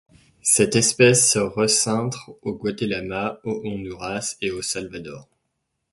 Cette espèce se rencintre au Guatemala, au Honduras et au Salvador.